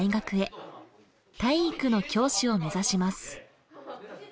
体育の教師を目指します。